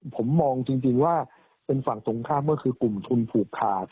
ผมมองจริงว่าเป็นฝั่งตรงข้ามก็คือกลุ่มทุนผูกขาด